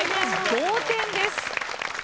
同点です。